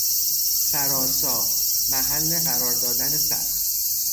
سرآسا، محل قرار دادن سر